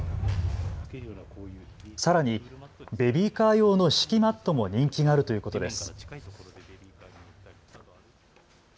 さらにベビーカー用の敷きマットも人気があるということです。